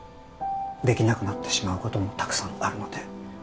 できなくなってしまうこともたくさんあるので